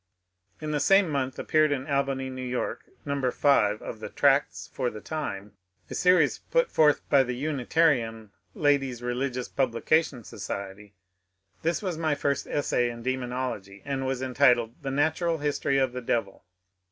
In the same month appeared in Albany, N. Y., No. 5 of the ^^ Tracts for the Time," a series put forth by the (Uni tarian) Ladies* Religious Publication Society. This was my first essay in Demonology, and was entitled '' The Natural History of the Devil."